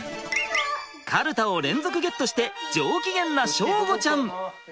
カルタを連続ゲットして上機嫌な祥吾ちゃん。